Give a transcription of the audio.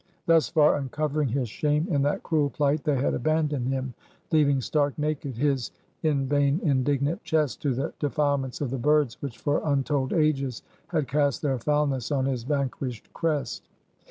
Thus far uncovering his shame, in that cruel plight they had abandoned him, leaving stark naked his in vain indignant chest to the defilements of the birds, which for untold ages had cast their foulness on his vanquished crest.